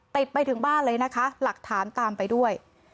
ไปถึงบ้านเลยนะคะหลักฐานตามไปด้วย